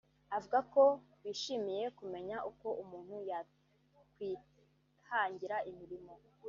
avuga ko bishimiye kumenya uko umuntu yakwihangira imirimo